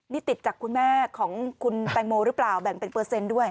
นี่ติดจากคุณแม่ของคุณแตงโมหรือเปล่าแบ่งเป็นเปอร์เซ็นต์ด้วย